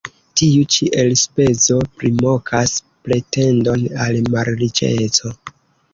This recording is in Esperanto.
Tiu ĉi elspezo primokas pretendon al malriĉeco.